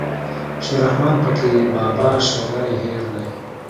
چې رحمان پکې بابا شيدا يې هېر دی